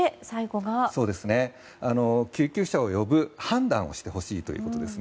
救急車を呼ぶ判断をしてほしいということです。